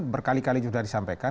berkali kali juga disampaikan